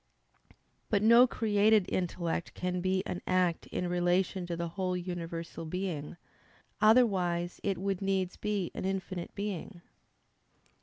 But no created intellect can be an act in relation to the whole universal being; otherwise it would needs be an infinite being.